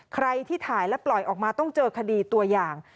ใครที่ถ่ายและปล่อยออกมาต้องเจอคดีตัวอย่าง